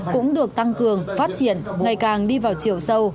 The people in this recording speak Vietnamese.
cũng được tăng cường phát triển ngày càng đi vào chiều sâu